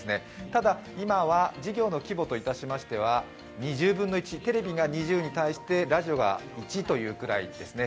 ただ、今は事業の規模といたしましては、２０分の１テレビが２０に対してラジオが１というくらいですね。